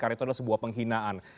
karena itu adalah sebuah penghinaan